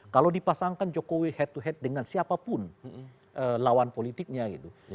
kalau dipasangkan jokowi head to head dengan siapapun lawan politiknya gitu